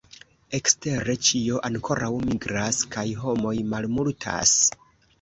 Ekstere, ĉio ankoraŭ nigras, kaj homoj malmultas.